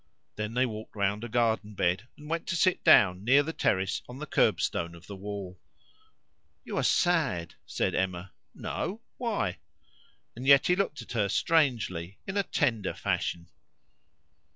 Then they walked round a garden bed, and went to sit down near the terrace on the kerb stone of the wall. "You are sad," said Emma. "No; why?" And yet he looked at her strangely in a tender fashion.